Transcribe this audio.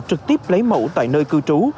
trực tiếp lấy mẫu tại nơi cư trú